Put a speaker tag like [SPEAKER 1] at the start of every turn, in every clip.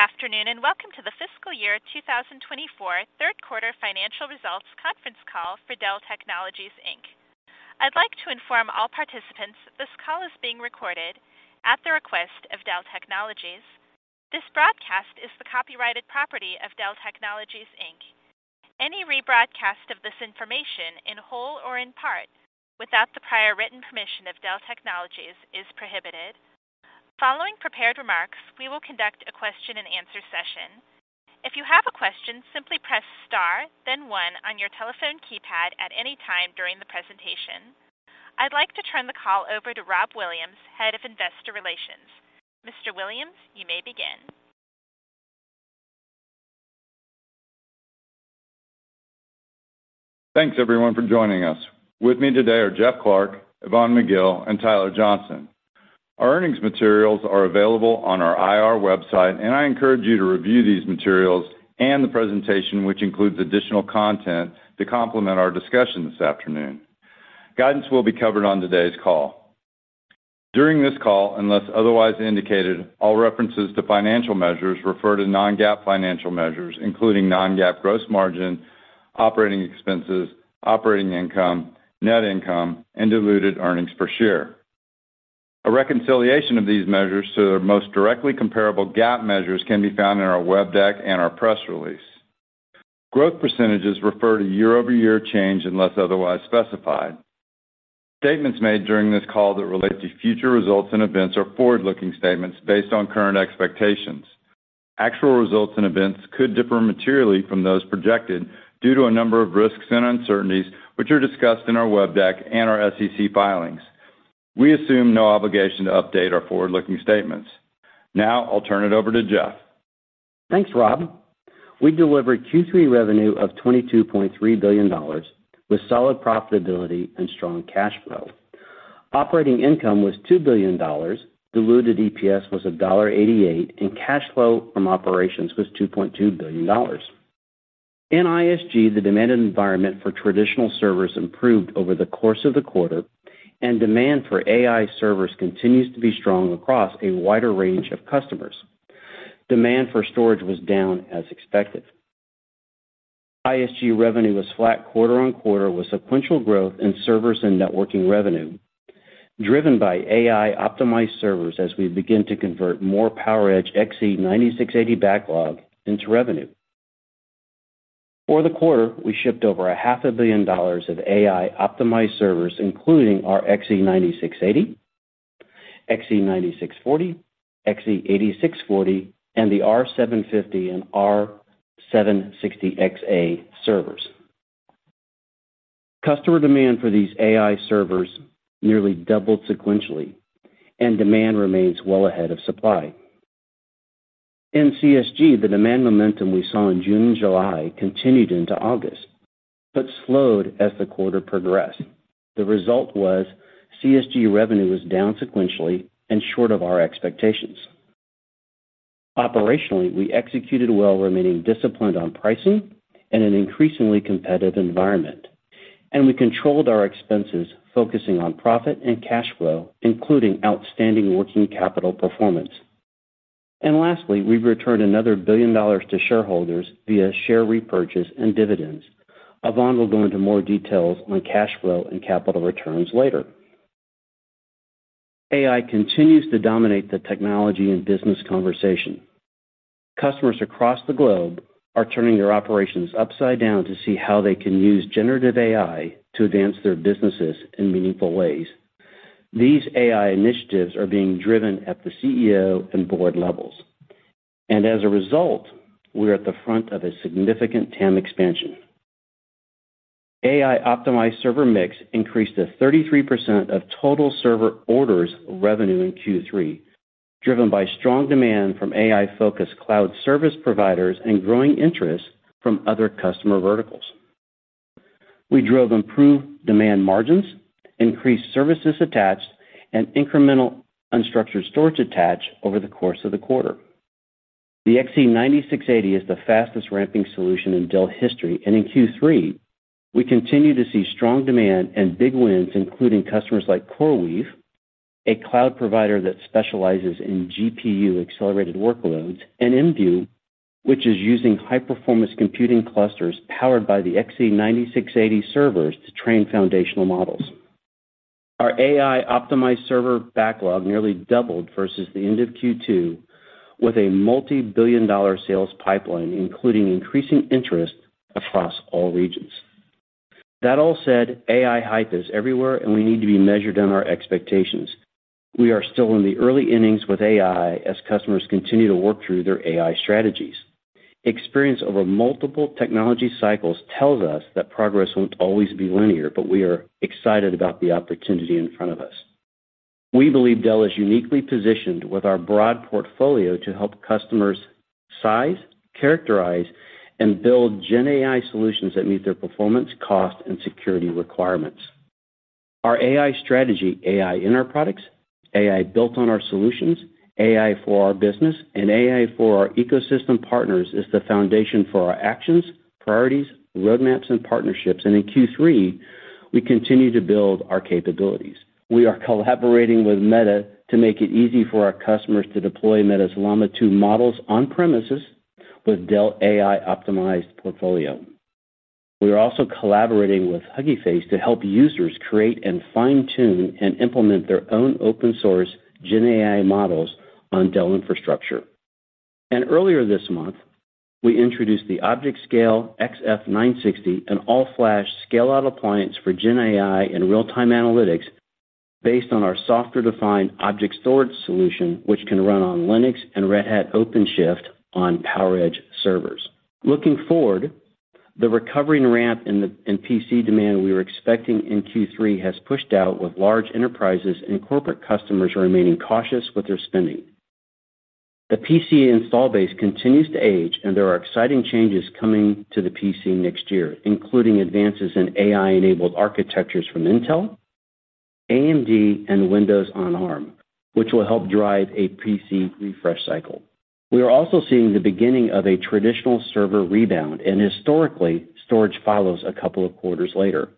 [SPEAKER 1] Good afternoon, and welcome to the fiscal year 2024 third quarter financial results conference call for Dell Technologies Inc. I'd like to inform all participants that this call is being recorded at the request of Dell Technologies. This broadcast is the copyrighted property of Dell Technologies Inc. Any rebroadcast of this information, in whole or in part, without the prior written permission of Dell Technologies, is prohibited. Following prepared remarks, we will conduct a question-and-answer session. If you have a question, simply press star, then one on your telephone keypad at any time during the presentation. I'd like to turn the call over to Rob Williams, Head of Investor Relations. Mr. Williams, you may begin.
[SPEAKER 2] Thanks everyone for joining us. With me today are Jeff Clarke, Yvonne McGill, and Tyler Johnson. Our earnings materials are available on our IR website, and I encourage you to review these materials and the presentation, which includes additional content to complement our discussion this afternoon. Guidance will be covered on today's call. During this call, unless otherwise indicated, all references to financial measures refer to non-GAAP financial measures, including non-GAAP gross margin, operating expenses, operating income, net income, and diluted earnings per share. A reconciliation of these measures to their most directly comparable GAAP measures can be found in our web deck and our press release. Growth percentages refer to year-over-year change, unless otherwise specified. Statements made during this call that relate to future results and events are forward-looking statements based on current expectations. Actual results and events could differ materially from those projected due to a number of risks and uncertainties, which are discussed in our web deck and our SEC filings. We assume no obligation to update our forward-looking statements. Now I'll turn it over to Jeff.
[SPEAKER 3] Thanks, Rob. We delivered Q3 revenue of $22.3 billion, with solid profitability and strong cash flow. Operating income was $2 billion, diluted EPS was $1.88, and cash flow from operations was $2.2 billion. In ISG, the demand environment for traditional servers improved over the course of the quarter, and demand for AI servers continues to be strong across a wider range of customers. Demand for storage was down as expected. ISG revenue was flat quarter-over-quarter, with sequential growth in servers and networking revenue, driven by AI-optimized servers as we begin to convert more PowerEdge XE9680 backlog into revenue. For the quarter, we shipped over $500 million of AI-optimized servers, including our XE9680, XE9640, XE8640, and the R750 and R760xa servers. Customer demand for these AI servers nearly doubled sequentially, and demand remains well ahead of supply. In CSG, the demand momentum we saw in June and July continued into August, but slowed as the quarter progressed. The result was CSG revenue was down sequentially and short of our expectations. Operationally, we executed well, remaining disciplined on pricing in an increasingly competitive environment, and we controlled our expenses, focusing on profit and cash flow, including outstanding working capital performance. Lastly, we returned another $1 billion to shareholders via share repurchase and dividends. Yvonne will go into more details on cash flow and capital returns later. AI continues to dominate the technology and business conversation. Customers across the globe are turning their operations upside down to see how they can use generative AI to advance their businesses in meaningful ways. These AI initiatives are being driven at the CEO and board levels, and as a result, we are at the front of a significant TAM expansion. AI-optimized server mix increased to 33% of total server orders revenue in Q3, driven by strong demand from AI-focused cloud service providers and growing interest from other customer verticals. We drove improved demand margins, increased services attached, and incremental unstructured storage attached over the course of the quarter. The XE9680 is the fastest ramping solution in Dell history, and in Q3, we continue to see strong demand and big wins, including customers like CoreWeave, a cloud provider that specializes in GPU-accelerated workloads, and Imbue, which is using high-performance computing clusters powered by the XE9680 servers to train foundational models. Our AI-optimized server backlog nearly doubled versus the end of Q2, with a multi-billion-dollar sales pipeline, including increasing interest across all regions. That all said, AI hype is everywhere, and we need to be measured in our expectations. We are still in the early innings with AI as customers continue to work through their AI strategies. Experience over multiple technology cycles tells us that progress won't always be linear, but we are excited about the opportunity in front of us. We believe Dell is uniquely positioned with our broad portfolio to help customers size, characterize, and build GenAI solutions that meet their performance, cost, and security requirements. Our AI strategy, AI in our products, AI built on our solutions, AI for our business, and AI for our ecosystem partners, is the foundation for our actions, priorities, roadmaps, and partnerships. We continue to build our capabilities. We are collaborating with Meta to make it easy for our customers to deploy Meta's Llama 2 models on premises with Dell AI-optimized portfolio. We are also collaborating with Hugging Face to help users create and fine-tune and implement their own open-source GenAI models on Dell infrastructure. And earlier this month, we introduced the ObjectScale XF960, an all-flash scale-out appliance for GenAI and real-time analytics based on our software-defined object storage solution, which can run on Linux and Red Hat OpenShift on PowerEdge servers. Looking forward, the recovery and ramp in the PC demand we were expecting in Q3 has pushed out, with large enterprises and corporate customers remaining cautious with their spending. The PC install base continues to age, and there are exciting changes coming to the PC next year, including advances in AI-enabled architectures from Intel, AMD, and Windows on Arm, which will help drive a PC refresh cycle. We are also seeing the beginning of a traditional server rebound, and historically, storage follows a couple of quarters later.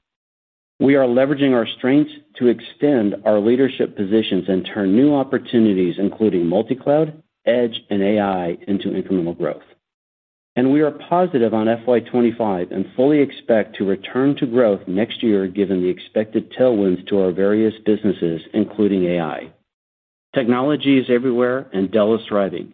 [SPEAKER 3] We are leveraging our strengths to extend our leadership positions and turn new opportunities, including multi-cloud, edge, and AI, into incremental growth. We are positive on FY 2025 and fully expect to return to growth next year, given the expected tailwinds to our various businesses, including AI. Technology is everywhere, and Dell is thriving.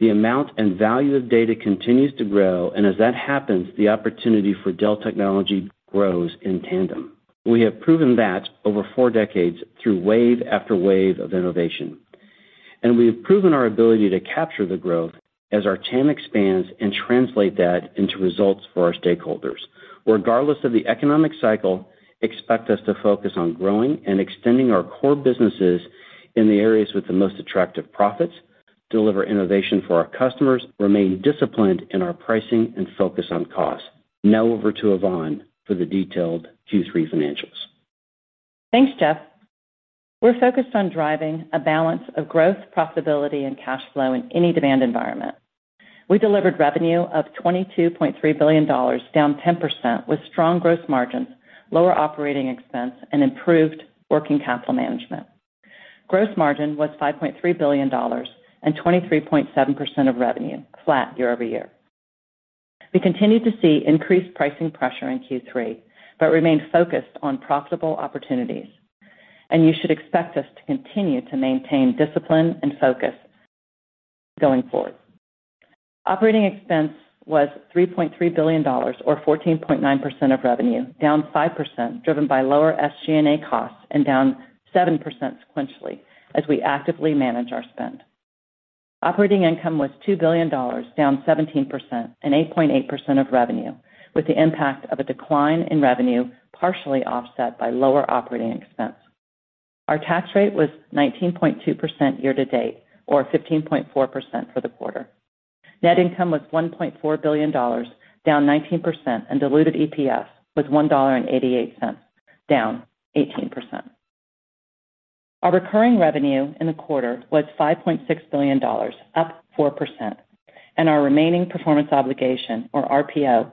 [SPEAKER 3] The amount and value of data continues to grow, and as that happens, the opportunity for Dell technology grows in tandem. We have proven that over four decades through wave after wave of innovation, and we have proven our ability to capture the growth as our TAM expands and translate that into results for our stakeholders. Regardless of the economic cycle, expect us to focus on growing and extending our core businesses in the areas with the most attractive profits, deliver innovation for our customers, remain disciplined in our pricing, and focus on cost. Now over to Yvonne for the detailed Q3 financials.
[SPEAKER 4] Thanks, Jeff. We're focused on driving a balance of growth, profitability, and cash flow in any demand environment. We delivered revenue of $22.3 billion, down 10%, with strong gross margins, lower operating expense, and improved working capital management. Gross margin was $5.3 billion and 23.7% of revenue, flat year-over-year. We continued to see increased pricing pressure in Q3, but remained focused on profitable opportunities, and you should expect us to continue to maintain discipline and focus going forward. Operating expense was $3.3 billion, or 14.9% of revenue, down 5%, driven by lower SG&A costs, and down 7% sequentially as we actively manage our spend. Operating income was $2 billion, down 17% and 8.8% of revenue, with the impact of a decline in revenue partially offset by lower operating expense. Our tax rate was 19.2% year-to-date, or 15.4% for the quarter. Net income was $1.4 billion, down 19%, and diluted EPS was $1.88, down 18%. Our recurring revenue in the quarter was $5.6 billion, up 4%, and our remaining performance obligation, or RPO,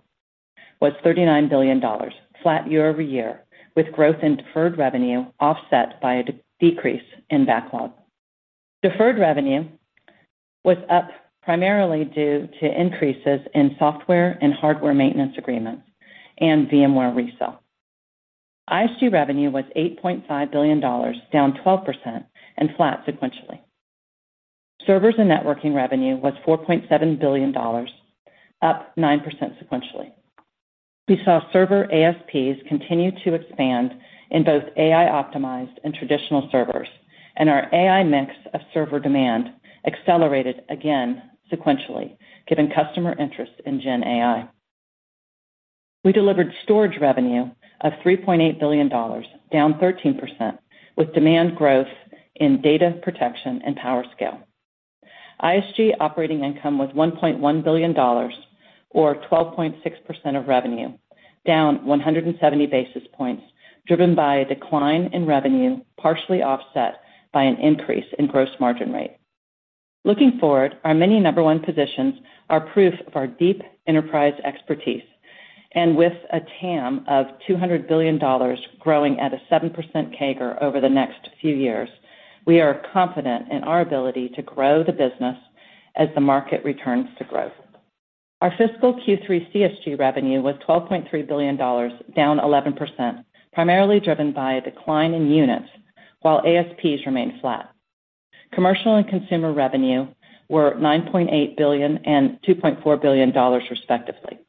[SPEAKER 4] was $39 billion, flat year-over-year, with growth in deferred revenue offset by a decrease in backlog. Deferred revenue was up primarily due to increases in software and hardware maintenance agreements and VMware resale. ISG revenue was $8.5 billion, down 12% and flat sequentially. Servers and networking revenue was $4.7 billion, up 9% sequentially. We saw server ASPs continue to expand in both AI-optimized and traditional servers, and our AI mix of server demand accelerated again sequentially, given customer interest in GenAI. We delivered storage revenue of $3.8 billion, down 13%, with demand growth in data protection and PowerScale. ISG's operating income was $1.1 billion, or 12.6% of revenue, down 170 basis points, driven by a decline in revenue, partially offset by an increase in gross margin rate. Looking forward, our many number one positions are proof of our deep enterprise expertise, and with a TAM of $200 billion growing at a 7% CAGR over the next few years, we are confident in our ability to grow the business as the market returns to growth. Our fiscal Q3 CSG revenue was $12.3 billion, down 11%, primarily driven by a decline in units while ASPs remained flat. Commercial and consumer revenue were $9.8 billion and $2.4 billion, respectively.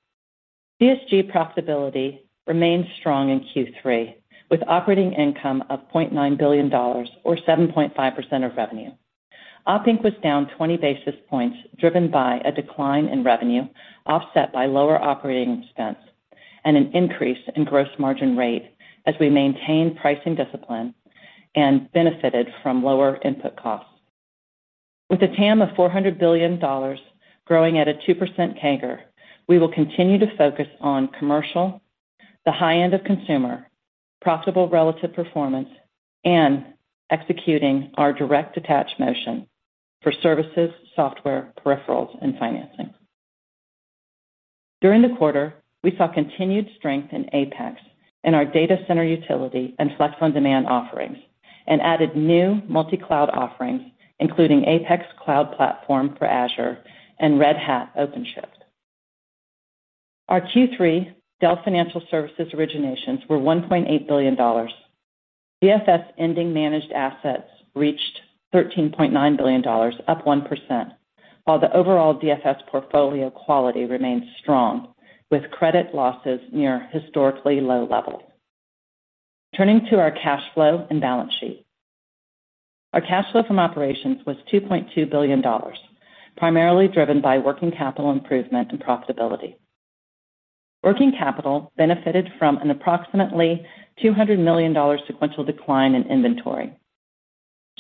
[SPEAKER 4] CSG profitability remained strong in Q3, with operating income of $0.9 billion or 7.5% of revenue. Op Inc. was down 20 basis points, driven by a decline in revenue, offset by lower operating expense and an increase in gross margin rate as we maintained pricing discipline and benefited from lower input costs. With a TAM of $400 billion growing at a 2% CAGR, we will continue to focus on commercial, the high end of consumer, profitable relative performance, and executing our direct attach motion for services, software, peripherals, and financing. During the quarter, we saw continued strength in APEX, in our data center utility, and Flex on Demand offerings, and added new multi-cloud offerings, including APEX Cloud Platform for Azure and Red Hat OpenShift. Our Q3 Dell Financial Services originations were $1.8 billion. DFS ending managed assets reached $13.9 billion, up 1%, while the overall DFS portfolio quality remains strong, with credit losses near historically low levels. Turning to our cash flow and balance sheet. Our cash flow from operations was $2.2 billion, primarily driven by working capital improvement and profitability. Working capital benefited from an approximately $200 million sequential decline in inventory,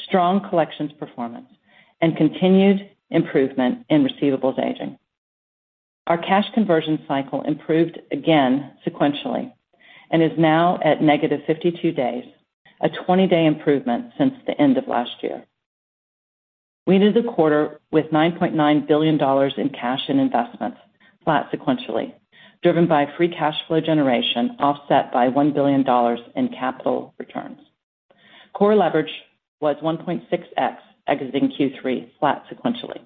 [SPEAKER 4] strong collections performance, and continued improvement in receivables aging. Our cash conversion cycle improved again sequentially and is now at -52 days, a 20-day improvement since the end of last year. We ended the quarter with $9.9 billion in cash and investments, flat sequentially, driven by free cash flow generation, offset by $1 billion in capital returns. Core leverage was 1.6x exiting Q3, flat sequentially.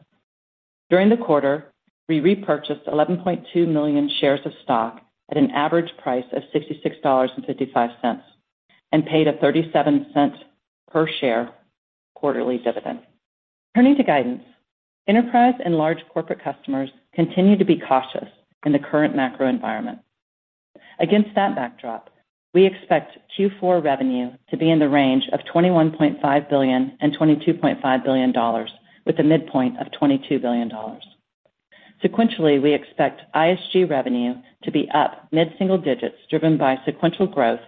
[SPEAKER 4] During the quarter, we repurchased 11.2 million shares of stock at an average price of $66.55 and paid a $0.37 per share quarterly dividend. Turning to guidance, enterprise and large corporate customers continue to be cautious in the current macro environment. Against that backdrop, we expect Q4 revenue to be in the range of $21.5 billion-$22.5 billion, with a midpoint of $22 billion. Sequentially, we expect ISG revenue to be up mid-single digits, driven by sequential growth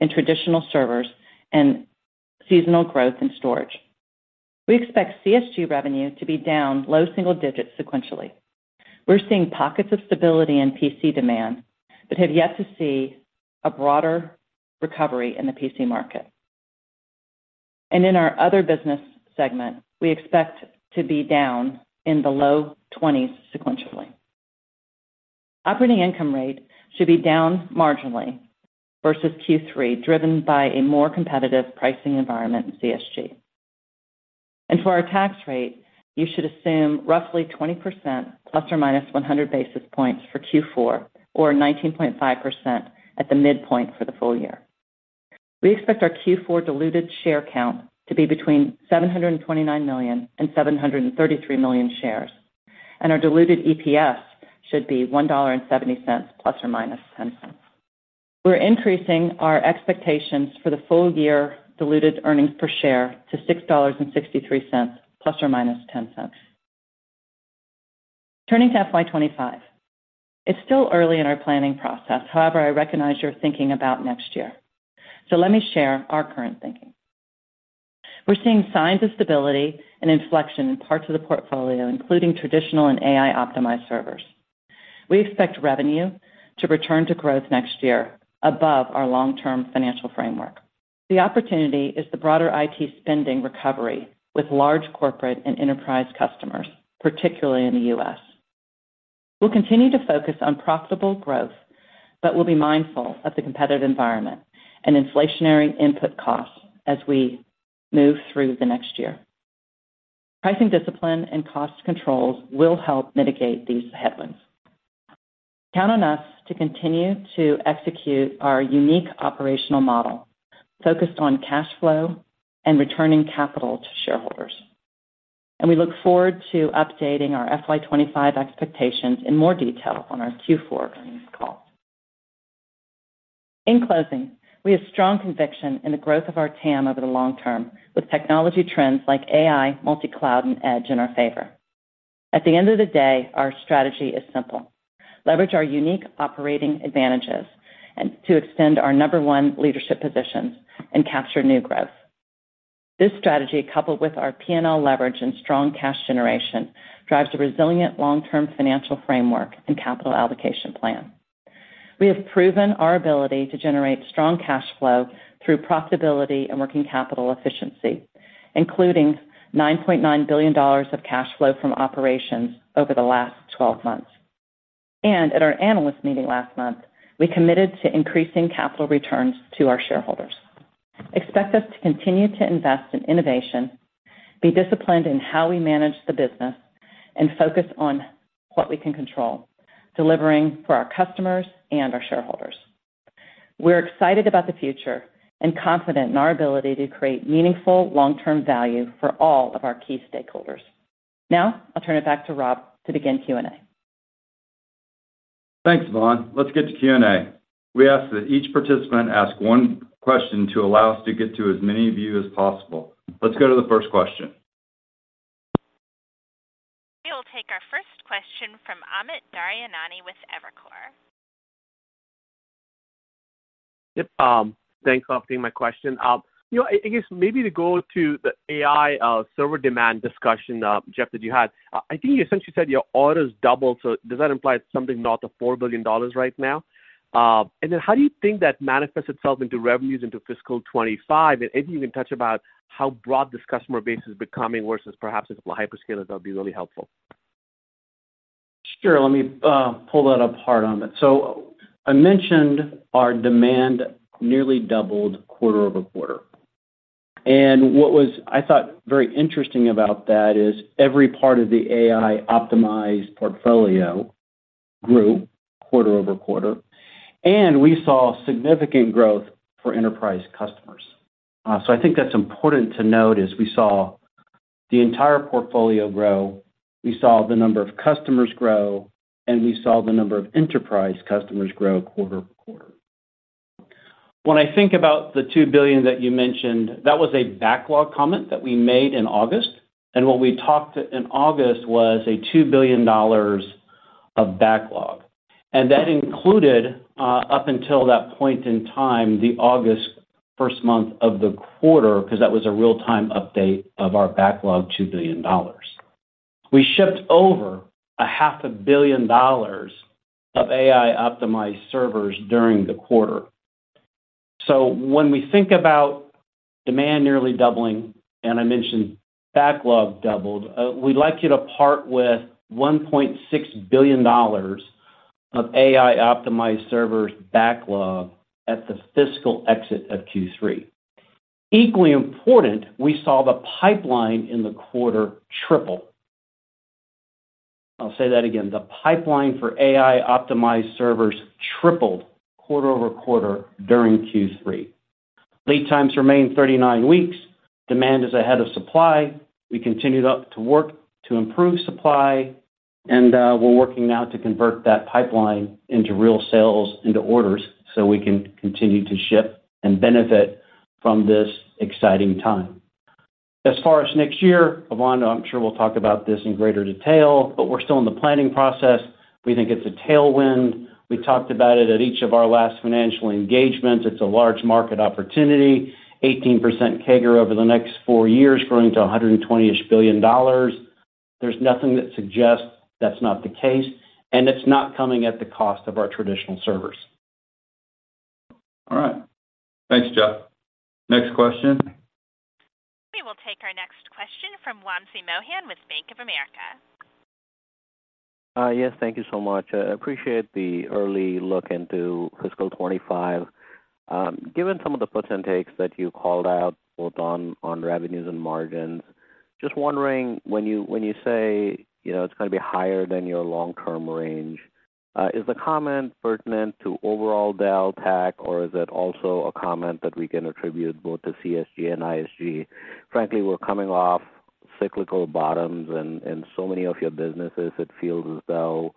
[SPEAKER 4] in traditional servers and seasonal growth in storage. We expect CSG revenue to be down low single digits sequentially. We're seeing pockets of stability in PC demand, but have yet to see a broader recovery in the PC market. And in our other business segment, we expect to be down in the low twenties sequentially. Operating income rate should be down marginally versus Q3, driven by a more competitive pricing environment in CSG. And for our tax rate, you should assume roughly 20% ±100 basis points for Q4, or 19.5% at the midpoint for the full year. We expect our Q4 diluted share count to be between 729 million and 733 million shares, and our diluted EPS should be $1.70, ±0.10. We're increasing our expectations for the full year diluted earnings per share to $6.63, ±0.10. Turning to FY 2025. It's still early in our planning process. However, I recognize you're thinking about next year, so let me share our current thinking. We're seeing signs of stability and inflection in parts of the portfolio, including traditional and AI-optimized servers. We expect revenue to return to growth next year above our long-term financial framework. The opportunity is the broader IT spending recovery with large corporate and enterprise customers, particularly in the U.S. We'll continue to focus on profitable growth, but we'll be mindful of the competitive environment and inflationary input costs as we move through the next year. Pricing discipline and cost controls will help mitigate these headwinds. Count on us to continue to execute our unique operational model, focused on cash flow and returning capital to shareholders, and we look forward to updating our FY 2025 expectations in more detail on our Q4 earnings call. In closing, we have strong conviction in the growth of our TAM over the long term, with technology trends like AI, multi-cloud, and edge in our favor. At the end of the day, our strategy is simple: leverage our unique operating advantages and to extend our number one leadership positions and capture new growth. This strategy, coupled with our PNL leverage and strong cash generation, drives a resilient long-term financial framework and capital allocation plan. We have proven our ability to generate strong cash flow through profitability and working capital efficiency, including $9.9 billion of cash flow from operations over the last 12 months. At our analyst meeting last month, we committed to increasing capital returns to our shareholders. Expect us to continue to invest in innovation, be disciplined in how we manage the business, and focus on what we can control, delivering for our customers and our shareholders. We're excited about the future and confident in our ability to create meaningful long-term value for all of our key stakeholders. Now I'll turn it back to Rob to begin Q&A.
[SPEAKER 2] Thanks, Yvonne. Let's get to Q&A. We ask that each participant ask one question to allow us to get to as many of you as possible. Let's go to the first question.
[SPEAKER 1] We will take our first question from Amit Daryanani with Evercore.
[SPEAKER 5] Yep, thanks for taking my question. You know, I guess maybe to go to the AI server demand discussion, Jeff, that you had, I think you essentially said your orders doubled. So does that imply something north of $4 billion right now? And then how do you think that manifests itself into revenues into fiscal 2025? And if you can touch about how broad this customer base is becoming versus perhaps a couple hyperscalers, that'd be really helpful....
[SPEAKER 3] Sure, let me pull that apart on that. So I mentioned our demand nearly doubled quarter-over-quarter. And what was, I thought, very interesting about that is every part of the AI-optimized portfolio grew quarter-over-quarter, and we saw significant growth for enterprise customers. So I think that's important to note, is we saw the entire portfolio grow, we saw the number of customers grow, and we saw the number of enterprise customers grow quarter-over-quarter. When I think about the $2 billion that you mentioned, that was a backlog comment that we made in August, and what we talked in August was a $2 billion of backlog. And that included, up until that point in time, the August first month of the quarter, because that was a real-time update of our backlog, $2 billion. We shipped over $500 million of AI-optimized servers during the quarter. When we think about demand nearly doubling, and I mentioned backlog doubled, we'd like you to part with $1.6 billion of AI-optimized servers backlog at the fiscal exit of Q3. Equally important, we saw the pipeline in the quarter triple. I'll say that again. The pipeline for AI-optimized servers tripled quarter-over-quarter during Q3. Lead times remain 39 weeks. Demand is ahead of supply. We continued up to work to improve supply, and we're working now to convert that pipeline into real sales, into orders, so we can continue to ship and benefit from this exciting time. As far as next year, Yvonne, I'm sure, will talk about this in greater detail, but we're still in the planning process. We think it's a tailwind. We talked about it at each of our last financial engagements. It's a large market opportunity, 18% CAGR over the next four years, growing to $120-ish billion. There's nothing that suggests that's not the case, and it's not coming at the cost of our traditional servers.
[SPEAKER 2] All right. Thanks, Jeff. Next question?
[SPEAKER 1] We will take our next question from Wamsi Mohan with Bank of America.
[SPEAKER 6] Yes, thank you so much. I appreciate the early look into fiscal 2025. Given some of the puts and takes that you called out, both on revenues and margins, just wondering, when you say, you know, it's going to be higher than your long-term range, is the comment pertinent to overall Dell Technologies, or is it also a comment that we can attribute both to CSG and ISG? Frankly, we're coming off cyclical bottoms and so many of your businesses, it feels as though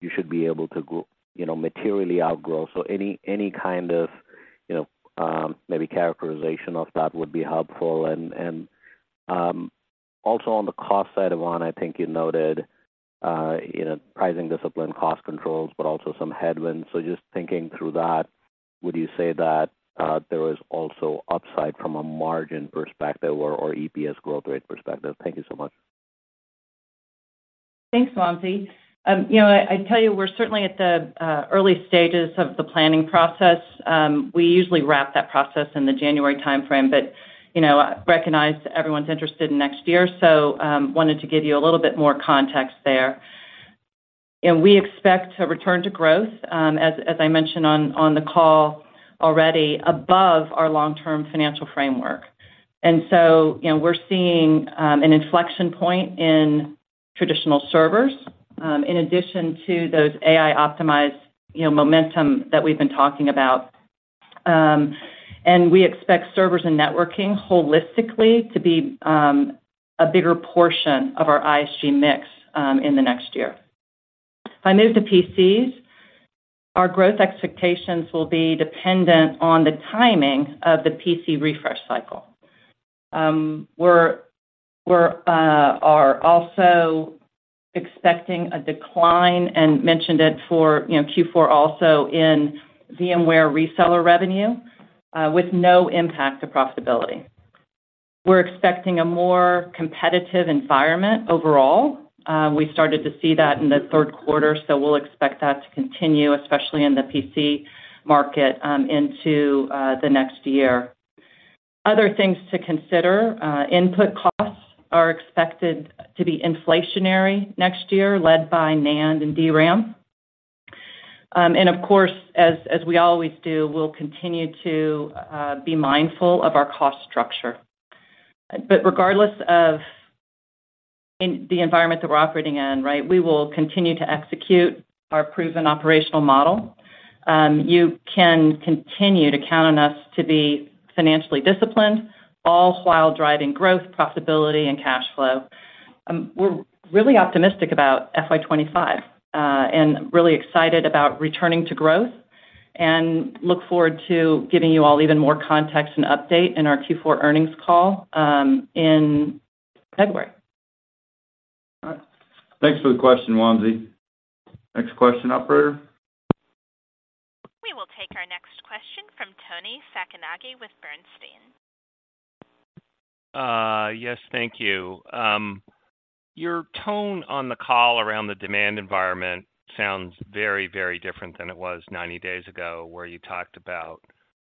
[SPEAKER 6] you should be able to go, you know, materially outgrow. So any kind of, you know, maybe characterization of that would be helpful. And also on the cost side, I think you noted, you know, pricing discipline, cost controls, but also some headwinds. Just thinking through that, would you say that there was also upside from a margin perspective or EPS growth rate perspective? Thank you so much.
[SPEAKER 4] Thanks, Wamsi. You know, I'd tell you, we're certainly at the early stages of the planning process. We usually wrap that process in the January timeframe, but you know, I recognize everyone's interested in next year, so wanted to give you a little bit more context there. And we expect to return to growth, as I mentioned on the call already, above our long-term financial framework. And so you know, we're seeing an inflection point in traditional servers, in addition to those AI-optimized you know, momentum that we've been talking about. And we expect servers and networking holistically to be a bigger portion of our ISG mix in the next year. If I move to PCs, our growth expectations will be dependent on the timing of the PC refresh cycle. We're also expecting a decline and mentioned it for, you know, Q4 also in VMware reseller revenue, with no impact to profitability. We're expecting a more competitive environment overall. We started to see that in the third quarter, so we'll expect that to continue, especially in the PC market, into the next year. Other things to consider, input costs are expected to be inflationary next year, led by NAND and DRAM. And of course, as we always do, we'll continue to be mindful of our cost structure. But regardless of in the environment that we're operating in, right, we will continue to execute our proven operational model. You can continue to count on us to be financially disciplined, all while driving growth, profitability, and cash flow. We're really optimistic about FY 25, and really excited about returning to growth, and look forward to giving you all even more context and update in our Q4 earnings call, in February.
[SPEAKER 2] All right. Thanks for the question, Vamsi. Next question, operator.
[SPEAKER 1] We will take our next question from Tony Sacconaghi with Bernstein.
[SPEAKER 7] Yes, thank you. Your tone on the call around the demand environment sounds very, very different than it was 90 days ago, where you talked about,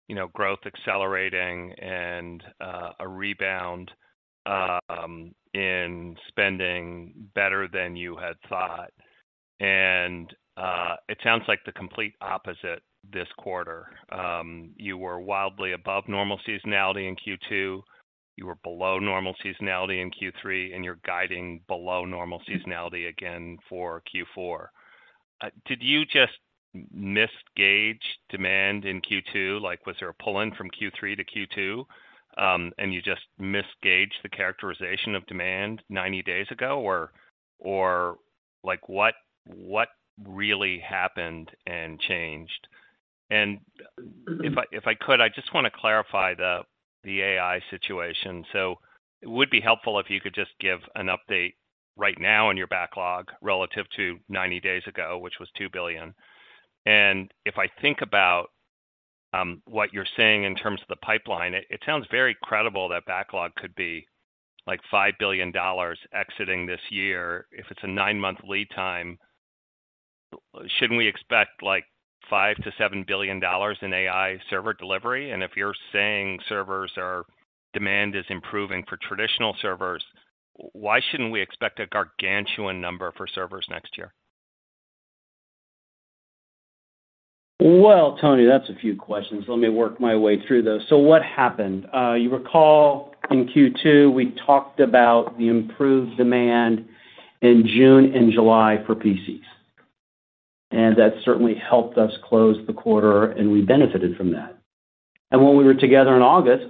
[SPEAKER 7] you know, growth accelerating and a rebound in spending better than you had thought. And it sounds like the complete opposite this quarter. You were wildly above normal seasonality in Q2, you were below normal seasonality in Q3, and you're guiding below normal seasonality again for Q4. Did you just misgauge demand in Q2? Like, was there a pull-in from Q3 to Q2, and you just misgauged the characterization of demand 90 days ago, or, or like, what, what really happened and changed? And if I, if I could, I just want to clarify the, the AI situation. So it would be helpful if you could just give an update right now on your backlog relative to 90 days ago, which was $2 billion. And if I think about what you're saying in terms of the pipeline, it sounds very credible that backlog could be like $5 billion exiting this year. If it's a nine-month lead time, shouldn't we expect like $5-$7 billion in AI server delivery? And if you're saying servers are, demand is improving for traditional servers, why shouldn't we expect a gargantuan number for servers next year?
[SPEAKER 3] Well, Tony, that's a few questions. Let me work my way through those. So what happened? You recall in Q2, we talked about the improved demand in June and July for PCs, and that certainly helped us close the quarter, and we benefited from that. And when we were together in August,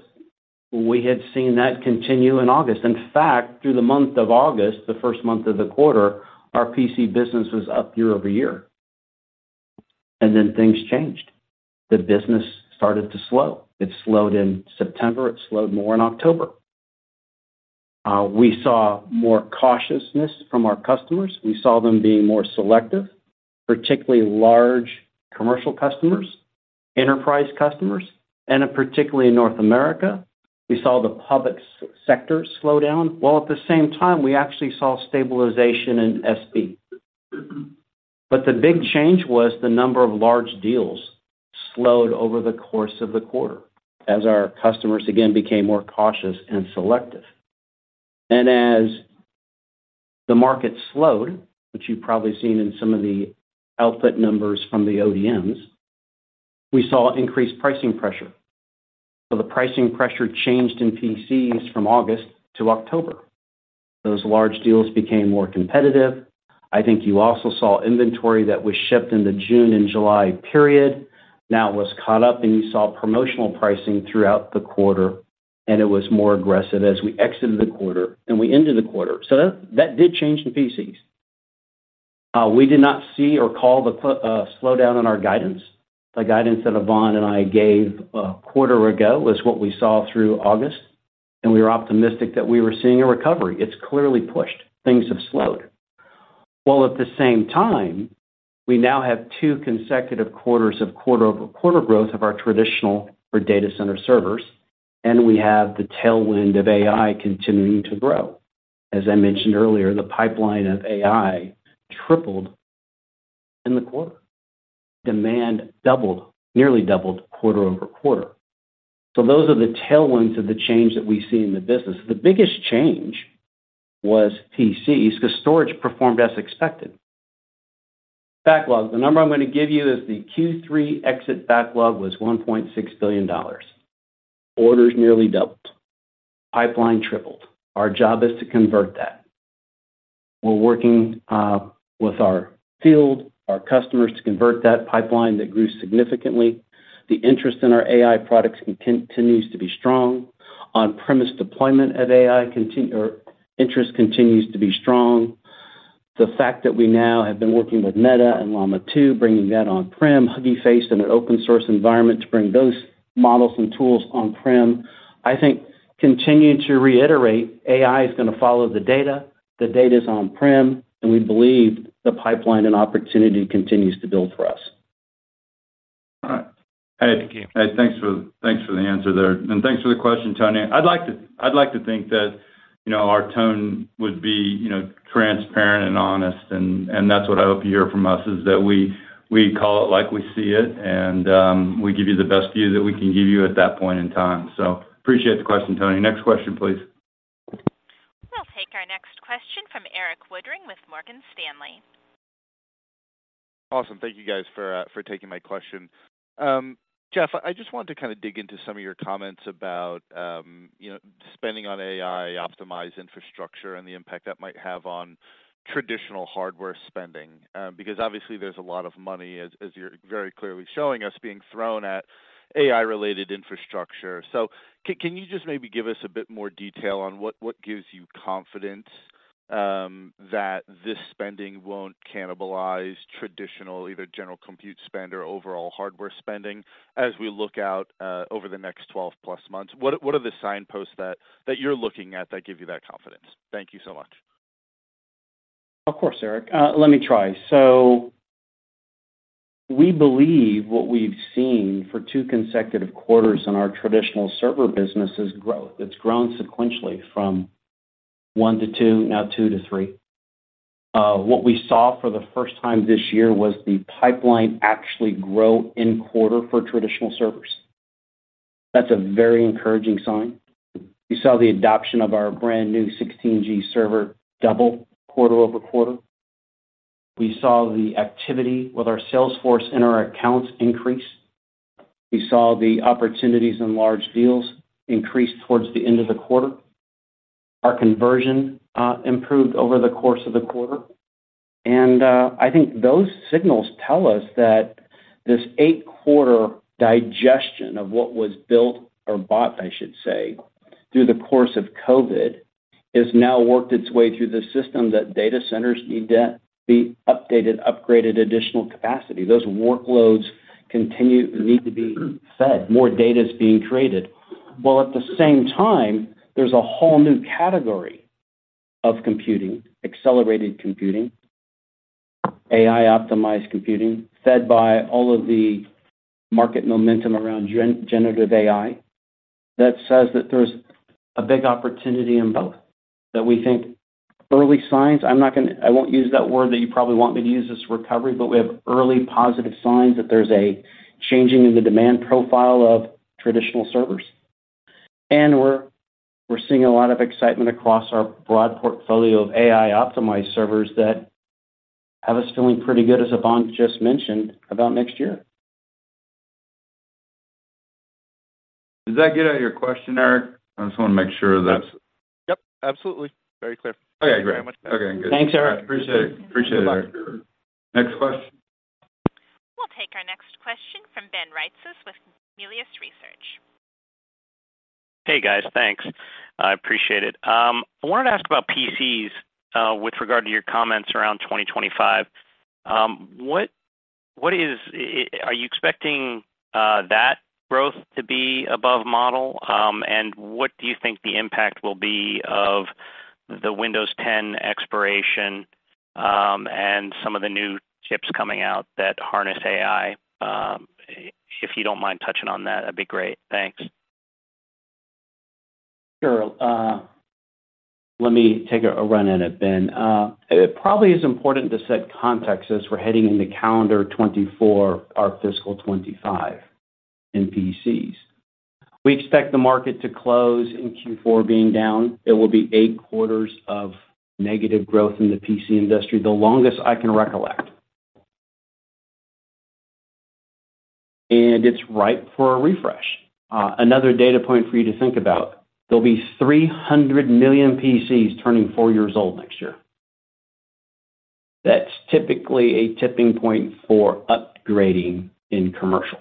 [SPEAKER 3] we had seen that continue in August. In fact, through the month of August, the first month of the quarter, our PC business was up year-over-year. And then things changed. The business started to slow. It slowed in September. It slowed more in October. We saw more cautiousness from our customers. We saw them being more selective, particularly large commercial customers, enterprise customers, and particularly in North America, we saw the public sector slow down, while at the same time, we actually saw stabilization in SMB. But the big change was the number of large deals slowed over the course of the quarter as our customers, again, became more cautious and selective. And as the market slowed, which you've probably seen in some of the output numbers from the ODMs, we saw increased pricing pressure. So the pricing pressure changed in PCs from August to October. Those large deals became more competitive. I think you also saw inventory that was shipped in the June and July period, now was caught up, and you saw promotional pricing throughout the quarter, and it was more aggressive as we exited the quarter and we ended the quarter. So that, that did change the PCs. We did not see or call the slowdown in our guidance. The guidance that Yvonne and I gave a quarter ago was what we saw through August, and we were optimistic that we were seeing a recovery. It's clearly pushed. Things have slowed. While at the same time, we now have two consecutive quarters of quarter-over-quarter growth of our traditional or data center servers, and we have the tailwind of AI continuing to grow. As I mentioned earlier, the pipeline of AI tripled in the quarter. Demand doubled, nearly doubled quarter-over-quarter. So those are the tailwinds of the change that we see in the business. The biggest change was PCs, because storage performed as expected. Backlog. The number I'm going to give you is the Q3 exit backlog was $1.6 billion. Orders nearly doubled. Pipeline tripled. Our job is to convert that. We're working with our field, our customers, to convert that pipeline that grew significantly. The interest in our AI products continues to be strong. On-premise deployment of AI—or interest—continues to be strong. The fact that we now have been working with Meta and Llama 2, bringing that on-prem, Hugging Face in an open source environment to bring those models and tools on-prem, I think continues to reiterate, AI is going to follow the data, the data's on-prem, and we believe the pipeline and opportunity continues to build for us.
[SPEAKER 2] All right. Hey, thanks for the answer there, and thanks for the question, Tony. I'd like to, I'd like to think that, you know, our tone would be, you know, transparent and honest, and, and that's what I hope you hear from us, is that we, we call it like we see it, and we give you the best view that we can give you at that point in time. So appreciate the question, Tony. Next question, please.
[SPEAKER 1] We'll take our next question from Erik Woodring with Morgan Stanley.
[SPEAKER 8] Awesome. Thank you guys for taking my question. Jeff, I just wanted to kind of dig into some of your comments about, you know, spending on AI, optimized infrastructure, and the impact that might have on traditional hardware spending. Because obviously there's a lot of money, as you're very clearly showing us, being thrown at AI-related infrastructure. So can you just maybe give us a bit more detail on what gives you confidence that this spending won't cannibalize traditional, either general compute spend or overall hardware spending, as we look out over the next 12+ months? What are the signposts that you're looking at that give you that confidence? Thank you so much.
[SPEAKER 3] Of course, Erik. Let me try. We believe what we've seen for two consecutive quarters in our traditional server business is growth. It's grown sequentially from one to two, now two to three. What we saw for the first time this year was the pipeline actually grow in quarter for traditional servers. That's a very encouraging sign. We saw the adoption of our brand new 16G server double quarter over quarter. We saw the activity with our sales force and our accounts increase. We saw the opportunities in large deals increase towards the end of the quarter. Our conversion improved over the course of the quarter, and I think those signals tell us that this eight-quarter digestion of what was built or bought, I should say, through the course of COVID, has now worked its way through the system that data centers need to be updated, upgraded, additional capacity. Those workloads continue to need to be fed. More data is being traded, while at the same time, there's a whole new category of computing, accelerated computing, AI-optimized computing, fed by all of the market momentum around generative AI. That says that there's a big opportunity in both, that we think early signs. I'm not gonna. I won't use that word that you probably want me to use, this recovery, but we have early positive signs that there's a changing in the demand profile of traditional servers. We're seeing a lot of excitement across our broad portfolio of AI-optimized servers that have us feeling pretty good, as Yvonne just mentioned, about next year.
[SPEAKER 2] Does that get at your question, Eric? I just wanna make sure that.
[SPEAKER 8] Yep, absolutely. Very clear.
[SPEAKER 2] Okay, great. Okay, good.
[SPEAKER 3] Thanks, Eric.
[SPEAKER 2] Appreciate it. Appreciate it. Next question.
[SPEAKER 1] We'll take our next question from Ben Reitzes with Melius Research.
[SPEAKER 9] Hey, guys. Thanks. I appreciate it. I wanted to ask about PCs, with regard to your comments around 2025. What is... Are you expecting that growth to be above model? And what do you think the impact will be of the Windows 10 expiration, and some of the new chips coming out that harness AI? If you don't mind touching on that, that'd be great. Thanks.
[SPEAKER 3] Sure. Let me take a run at it, Ben. It probably is important to set context as we're heading into calendar 2024, our fiscal 2025 in PCs. We expect the market to close in Q4, being down. It will be eight quarters of negative growth in the PC industry, the longest I can recollect. It's ripe for a refresh. Another data point for you to think about: there'll be 300 million PCs turning four years old next year. That's typically a tipping point for upgrading in commercial,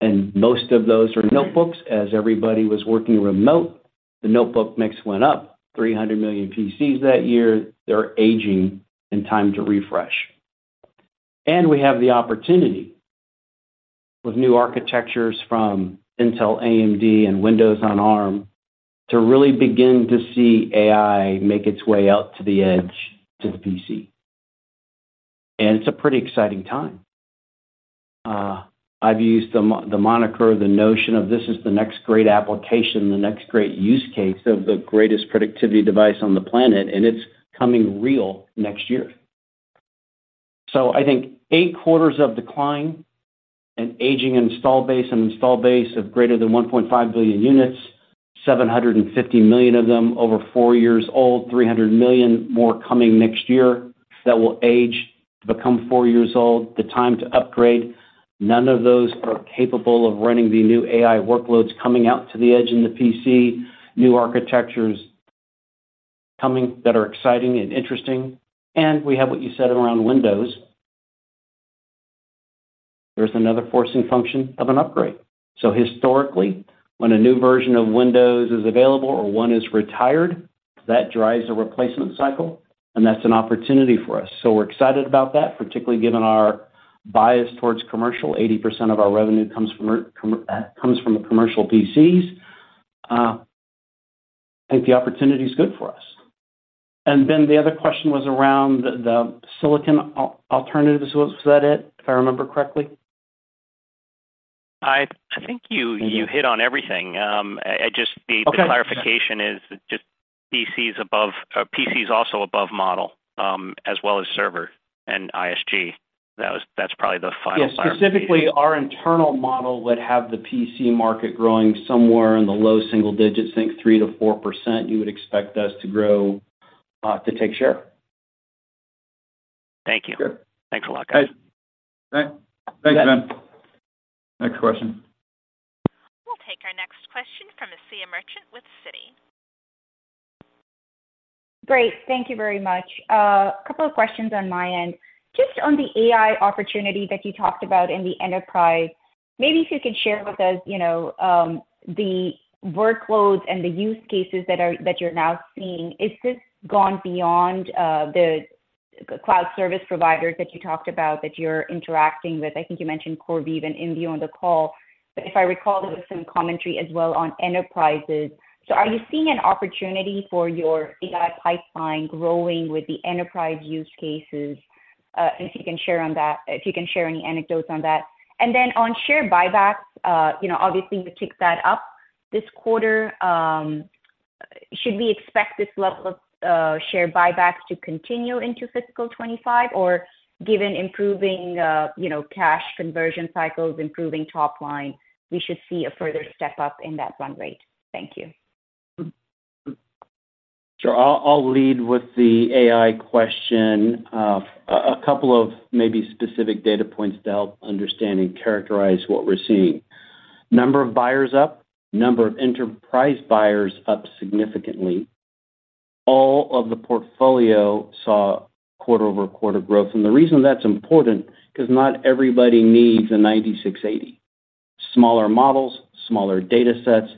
[SPEAKER 3] and most of those are notebooks. As everybody was working remote, the notebook mix went up. 300 million PCs that year, they're aging and time to refresh. We have the opportunity with new architectures from Intel, AMD, and Windows on Arm to really begin to see AI make its way out to the edge, to the PC. It's a pretty exciting time. I've used the moniker, the notion of this is the next great application, the next great use case of the greatest productivity device on the planet, and it's coming real next year. So I think eight quarters of decline, an aging install base, an install base of greater than 1.5 billion units, 750 million of them over four years old, 300 million more coming next year that will age, become four years old, the time to upgrade. None of those are capable of running the new AI workloads coming out to the edge in the PC. New architectures coming that are exciting and interesting, and we have what you said around Windows. There's another forcing function of an upgrade. So historically, when a new version of Windows is available or one is retired, that drives a replacement cycle, and that's an opportunity for us. So we're excited about that, particularly given our bias towards commercial. 80% of our revenue comes from our commercial PCs. I think the opportunity is good for us. And then the other question was around the silicon alternatives. Was that it, if I remember correctly?
[SPEAKER 9] I think you-
[SPEAKER 3] Mm-hmm.
[SPEAKER 9] you hit on everything. I just, the-
[SPEAKER 3] Okay.
[SPEAKER 9] The clarification is just PCs above, PCs also above model, as well as server and ISG. That was, that's probably the final part.
[SPEAKER 3] Yes, specifically, our internal model would have the PC market growing somewhere in the low single digits, think 3%-4%, you would expect us to grow, to take share.
[SPEAKER 9] Thank you.
[SPEAKER 3] Sure.
[SPEAKER 9] Thanks a lot, guys.
[SPEAKER 2] Thanks, Ben. Next question.
[SPEAKER 1] We'll take our next question from Asiya Merchant with Citi.
[SPEAKER 10] Great. Thank you very much. A couple of questions on my end. Just on the AI opportunity that you talked about in the enterprise, maybe if you could share with us, you know, the workloads and the use cases that are, that you're now seeing. Is this gone beyond, the cloud service providers that you talked about, that you're interacting with? I think you mentioned CoreWeave and xAI on the call, but if I recall, there was some commentary as well on enterprises. So are you seeing an opportunity for your AI pipeline growing with the enterprise use cases?... if you can share on that, if you can share any anecdotes on that. And then on share buybacks, you know, obviously, you kicked that up this quarter. Should we expect this level of share buybacks to continue into fiscal 2025? Or given improving, you know, cash conversion cycles, improving top line, we should see a further step up in that run rate. Thank you.
[SPEAKER 3] Sure. I'll lead with the AI question. A couple of maybe specific data points to help understand and characterize what we're seeing. Number of buyers up, number of enterprise buyers up significantly. All of the portfolio saw quarter-over-quarter growth. And the reason that's important, 'cause not everybody needs a 96 80. Smaller models, smaller datasets,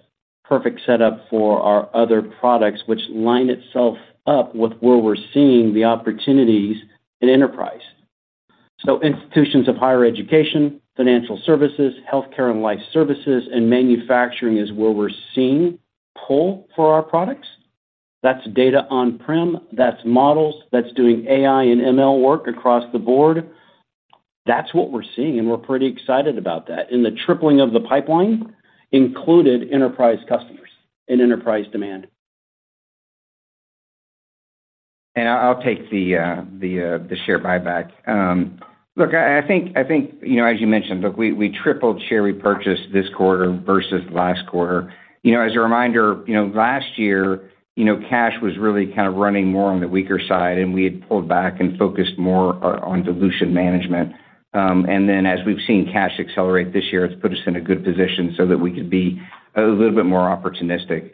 [SPEAKER 3] perfect setup for our other products, which line itself up with where we're seeing the opportunities in enterprise. So institutions of higher education, financial services, healthcare and life services, and manufacturing is where we're seeing pull for our products. That's data on-prem, that's models, that's doing AI and ML work across the board. That's what we're seeing, and we're pretty excited about that. And the tripling of the pipeline included enterprise customers and enterprise demand.
[SPEAKER 11] I'll take the share buyback. Look, I think, you know, as you mentioned, look, we tripled share repurchase this quarter versus last quarter. You know, as a reminder, you know, last year, you know, cash was really kind of running more on the weaker side, and we had pulled back and focused more on dilution management. And then as we've seen cash accelerate this year, it's put us in a good position so that we could be a little bit more opportunistic.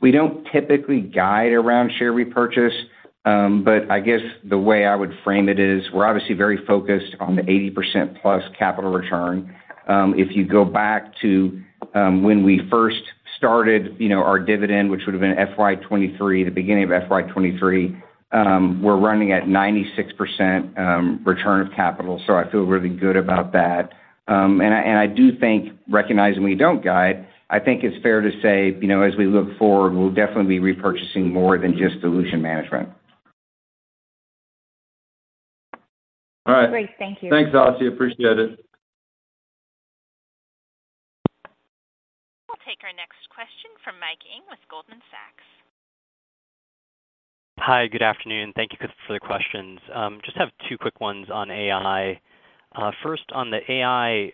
[SPEAKER 11] We don't typically guide around share repurchase, but I guess the way I would frame it is we're obviously very focused on the 80%+ capital return. If you go back to, when we first started, you know, our dividend, which would have been FY 2023, the beginning of FY 2023, we're running at 96% return of capital, so I feel really good about that. And I do think, recognizing we don't guide, I think it's fair to say, you know, as we look forward, we'll definitely be repurchasing more than just dilution management.
[SPEAKER 3] All right.
[SPEAKER 10] Great. Thank you.
[SPEAKER 3] Thanks, Asiya. Appreciate it.
[SPEAKER 1] We'll take our next question from Mike Ng with Goldman Sachs.
[SPEAKER 12] Hi, good afternoon. Thank you for the questions. Just have two quick ones on AI. First, on the AI,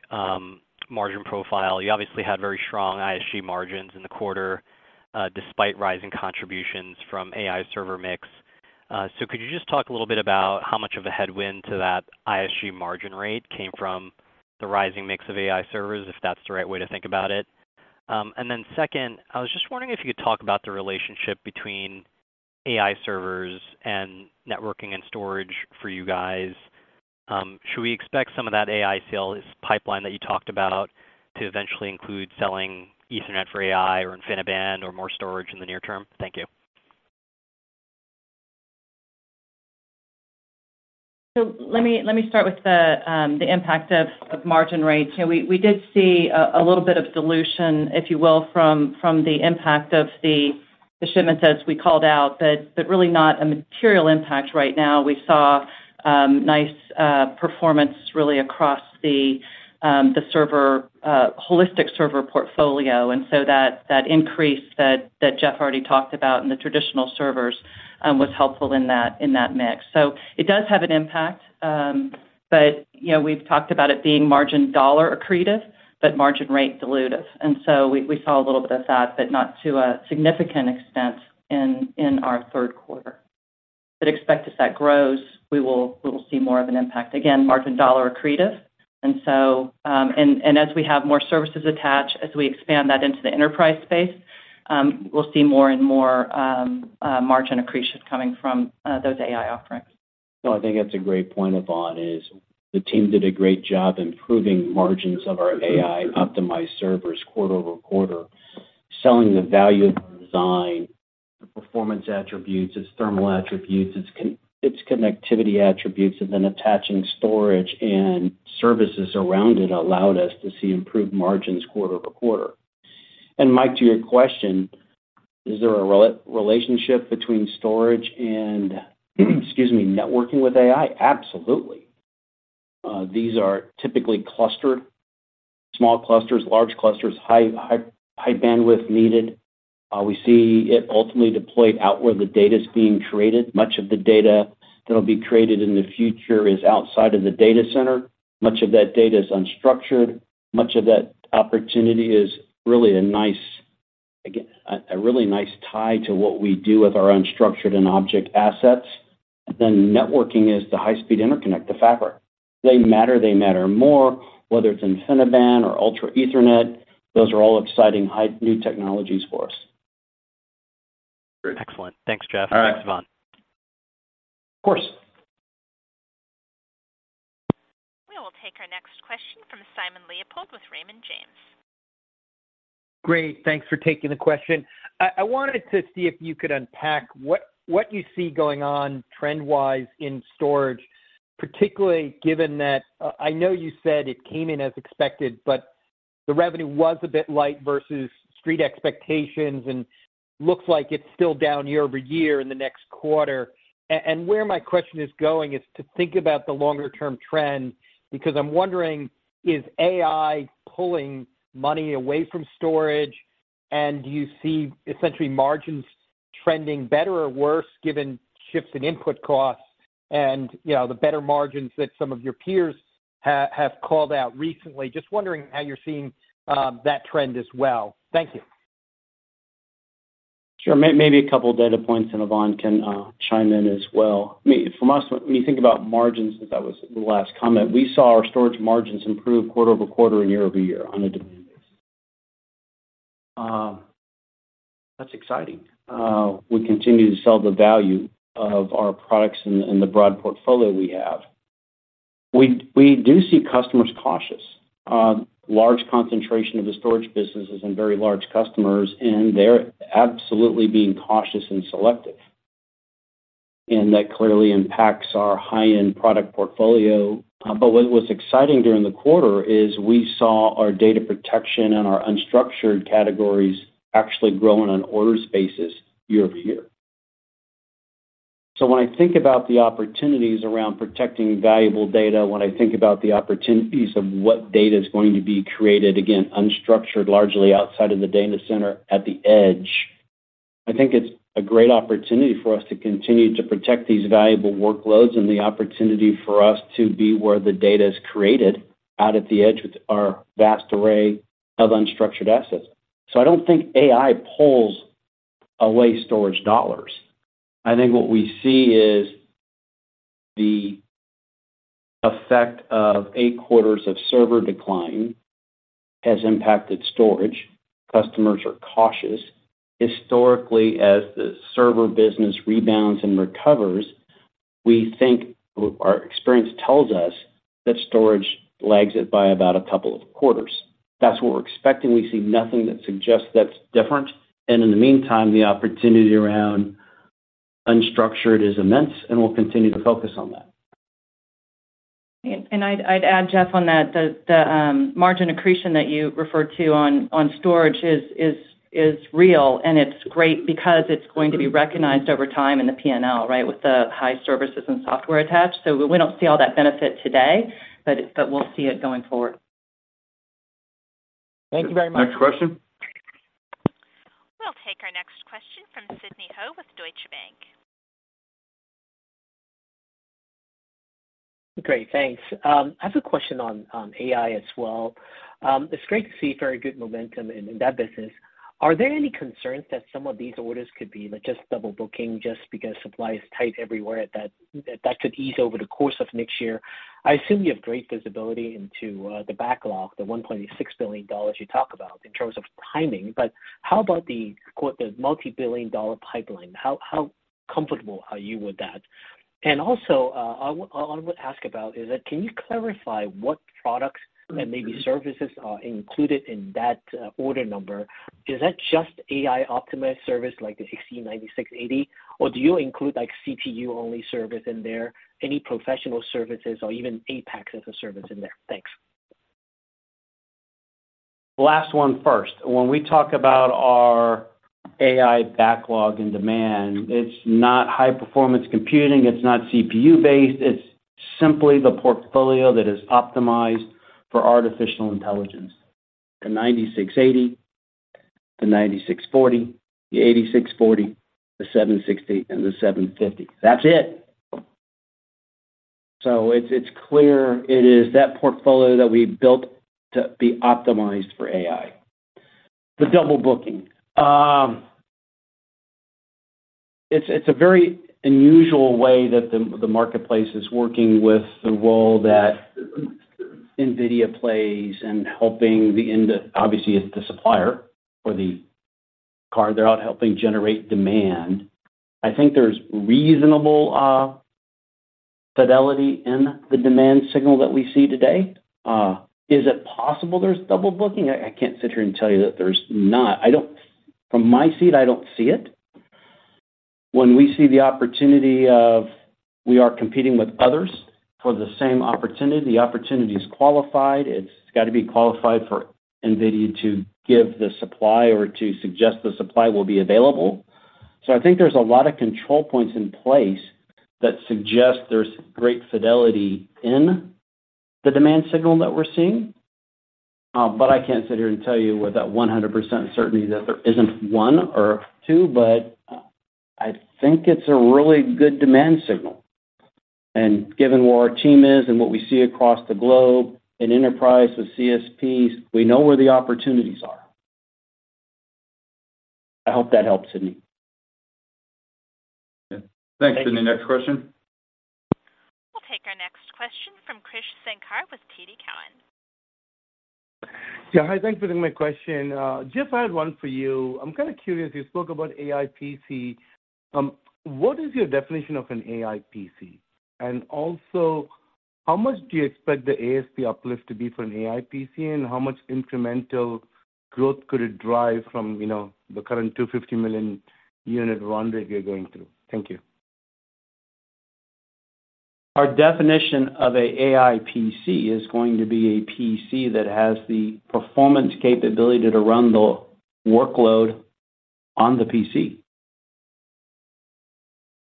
[SPEAKER 12] margin profile, you obviously had very strong ISG margins in the quarter, despite rising contributions from AI server mix. So could you just talk a little bit about how much of a headwind to that ISG margin rate came from the rising mix of AI servers, if that's the right way to think about it? And then second, I was just wondering if you could talk about the relationship between AI servers and networking and storage for you guys. Should we expect some of that AI sales pipeline that you talked about to eventually include selling Ethernet for AI or InfiniBand or more storage in the near term? Thank you.
[SPEAKER 4] So let me, let me start with the impact of margin rates. You know, we did see a little bit of dilution, if you will, from the impact of the shipments, as we called out, but really not a material impact right now. We saw nice performance really across the server holistic server portfolio, and so that increase that Jeff already talked about in the traditional servers was helpful in that mix. So it does have an impact, but you know, we've talked about it being margin dollar accretive, but margin rate dilutive. And so we saw a little bit of that, but not to a significant extent in our third quarter. But expect as that grows, we will see more of an impact. Again, margin dollar accretive. And so, as we have more services attached, as we expand that into the enterprise space, we'll see more and more, margin accretion coming from those AI offerings.
[SPEAKER 3] No, I think that's a great point, Yvonne, is the team did a great job improving margins of our AI-optimized servers quarter over quarter. Selling the value of our design, the performance attributes, its thermal attributes, its connectivity attributes, and then attaching storage and services around it allowed us to see improved margins quarter over quarter. And Mike, to your question, is there a relationship between storage and, excuse me, networking with AI? Absolutely. These are typically clustered, small clusters, large clusters, high, high, high bandwidth needed. We see it ultimately deployed out where the data is being created. Much of the data that'll be created in the future is outside of the data center. Much of that data is unstructured. Much of that opportunity is really a nice, again, really nice tie to what we do with our unstructured and object assets. Networking is the high-speed interconnect, the fabric. They matter, they matter more, whether it's InfiniBand or Ultra Ethernet. Those are all exciting, high new technologies for us.
[SPEAKER 12] Excellent. Thanks, Jeff.
[SPEAKER 3] All right.
[SPEAKER 12] Thanks, Yvonne.
[SPEAKER 3] Of course.
[SPEAKER 1] We will take our next question from Simon Leopold with Raymond James.
[SPEAKER 13] Great. Thanks for taking the question. I wanted to see if you could unpack what you see going on trend-wise in storage, particularly given that I know you said it came in as expected, but the revenue was a bit light versus street expectations, and looks like it's still down year-over-year in the next quarter. And where my question is going is to think about the longer term trend, because I'm wondering, is AI pulling money away from storage? And do you see essentially margins trending better or worse, given shifts in input costs and, you know, the better margins that some of your peers have called out recently? Just wondering how you're seeing that trend as well. Thank you.
[SPEAKER 3] Sure. Maybe a couple of data points, and Yvonne can chime in as well. From us, when you think about margins, that was the last comment. We saw our storage margins improve quarter-over-quarter and year-over-year on a demand basis. That's exciting. We continue to sell the value of our products and the broad portfolio we have. We do see customers cautious. Large concentration of the storage business is in very large customers, and they're absolutely being cautious and selective. And that clearly impacts our high-end product portfolio. But what was exciting during the quarter is we saw our data protection and our unstructured categories actually growing on orders basis year-over-year. So when I think about the opportunities around protecting valuable data, when I think about the opportunities of what data is going to be created, again, unstructured, largely outside of the data center at the edge, I think it's a great opportunity for us to continue to protect these valuable workloads and the opportunity for us to be where the data is created, out at the edge, with our vast array of unstructured assets. So I don't think AI pulls away storage dollars. I think what we see is the effect of eight quarters of server decline has impacted storage. Customers are cautious. Historically, as the server business rebounds and recovers, we think, well, our experience tells us that storage lags it by about two quarters. That's what we're expecting. We see nothing that suggests that's different. In the meantime, the opportunity around unstructured is immense, and we'll continue to focus on that.
[SPEAKER 4] And I'd add, Jeff, on that, the margin accretion that you referred to on storage is real, and it's great because it's going to be recognized over time in the P&L, right? With the high services and software attached. So we don't see all that benefit today, but we'll see it going forward.
[SPEAKER 13] Thank you very much.
[SPEAKER 2] Next question.
[SPEAKER 1] We'll take our next question from Sidney Ho with Deutsche Bank.
[SPEAKER 14] Great, thanks. I have a question on, on AI as well. It's great to see very good momentum in, in that business. Are there any concerns that some of these orders could be, like, just double booking just because supply is tight everywhere, that, that could ease over the course of next year? I assume you have great visibility into, the backlog, the $1.6 billion you talk about in terms of timing, but how about the, quote, "the multi-billion dollar pipeline?" How, how comfortable are you with that? And also, I want- I want to ask about is that can you clarify what products and maybe services are included in that, order number? Is that just an AI-optimized service like the XE9680, or do you include like, CPU-only service in there, any professional services or even APEX as a service in there? Thanks.
[SPEAKER 3] Last one first. When we talk about our AI backlog and demand, it's not high-performance computing; it's not CPU-based; it's simply the portfolio that is optimized for artificial intelligence. The 9680, the 9640, the 8640, the 760 and the 750. That's it. So it's clear it is that portfolio that we built to be optimized for AI. The double booking. It's a very unusual way that the marketplace is working with the role that NVIDIA plays in helping the end, obviously, it's the supplier or the card. They're out helping generate demand. I think there's reasonable fidelity in the demand signal that we see today. Is it possible there's double booking? I can't sit here and tell you that there's not. I don't. From my seat, I don't see it. When we see the opportunity of we are competing with others for the same opportunity, the opportunity is qualified. It's got to be qualified for NVIDIA to give the supply or to suggest the supply will be available. So I think there's a lot of control points in place that suggest there's great fidelity in the demand signal that we're seeing. But I can't sit here and tell you with 100% certainty that there isn't one or two, but I think it's a really good demand signal. And given where our team is and what we see across the globe, in enterprise, with CSPs, we know where the opportunities are. I hope that helps, Sidney.
[SPEAKER 2] Thanks, Sidney. Next question.
[SPEAKER 1] We'll take our next question from Krish Sankar with TD Cowen.
[SPEAKER 15] Yeah. Hi, thanks for taking my question. Jeff, I had one for you. I'm kind of curious: you spoke about AI PC. What is your definition of an AI PC? And also, how much do you expect the ASP uplift to be for an AI PC, and how much incremental growth could it drive from, you know, the current 250 million unit run rate you're going through? Thank you.
[SPEAKER 3] ...Our definition of an AI PC is going to be a PC that has the performance capability to run the workload on the PC.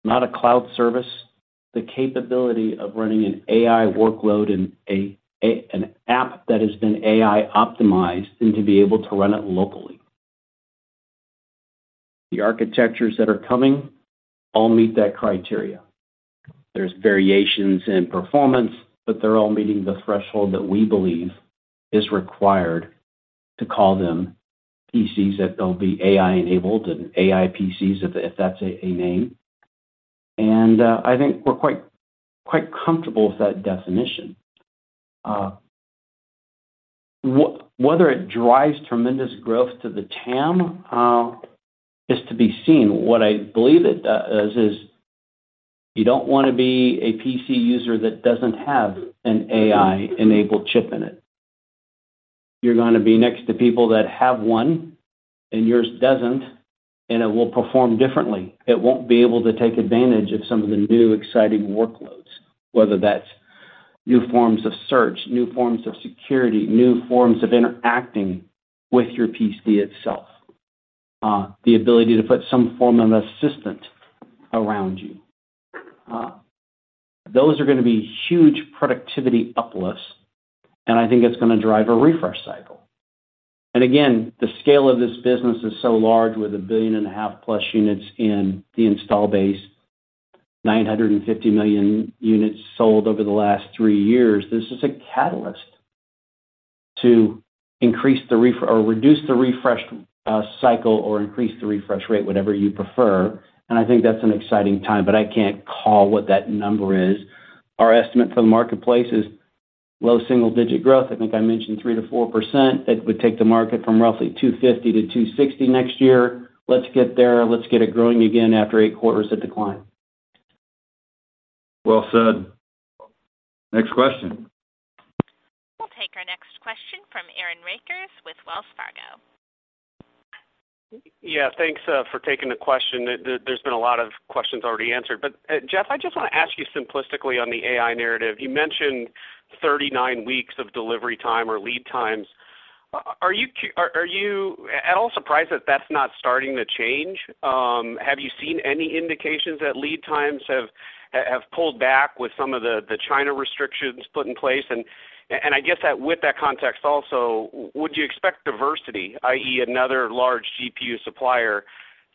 [SPEAKER 3] Not a cloud service, the capability of running an AI workload and an app that has been AI-optimized, and to be able to run it locally. The architectures that are coming all meet that criteria. There's variations in performance, but they're all meeting the threshold that we believe is required to call them PCs, that they'll be AI-enabled and AI PCs, if that's a name. And I think we're quite, quite comfortable with that definition. Whether it drives tremendous growth to the TAM is to be seen. What I believe it is, is you don't want to be a PC user that doesn't have an AI-enabled chip in it. You're gonna be next to people that have one and yours doesn't, and it will perform differently. It won't be able to take advantage of some of the new exciting workloads, whether that's new forms of search, new forms of security, new forms of interacting with your PC itself, the ability to put some form of assistant around you. Those are gonna be huge productivity uplifts, and I think it's gonna drive a refresh cycle. And again, the scale of this business is so large, with 1.5+ billion units in the install base, 950 million units sold over the last three years. This is a catalyst to increase the refresh or reduce the refresh cycle or increase the refresh rate, whatever you prefer, and I think that's an exciting time, but I can't call what that number is. Our estimate for the marketplace is low single-digit growth. I think I mentioned 3%-4%. That would take the market from roughly $250 to $260 next year. Let's get there. Let's get it growing again after eight quarters of decline.
[SPEAKER 2] Well said. Next question.
[SPEAKER 1] We'll take our next question from Aaron Rakers with Wells Fargo.
[SPEAKER 16] Yeah, thanks for taking the question. There's been a lot of questions already answered, but, Jeff, I just want to ask you, simplistically on the AI narrative. You mentioned 39 weeks of delivery time or lead times. Are you at all surprised that that's not starting to change? Have you seen any indications that lead times have pulled back with some of the China restrictions put in place? And I guess that with that context also, would you expect diversity, i.e., another large GPU supplier,